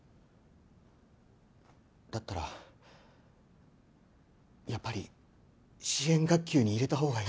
だったらやっぱり支援学級に入れたほうがいいんじゃ。